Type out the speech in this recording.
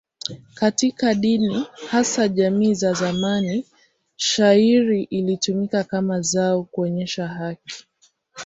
Katika dini, hasa jamii za zamani, shayiri ilitumika kama zao kuonyesha haki.